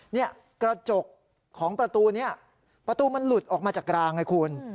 เนี่ยกระจกของประตูนี้ประตูมันหลุดออกมาจากรางไงคุณ